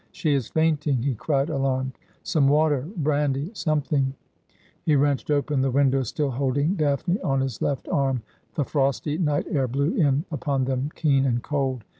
' She is fainting!' he cried, alarmed. 'Some water — brandy — something !' He wrenched open the window, still holding Daphne on his left arm. The frosty night aiy blew in upon them, keen and cold.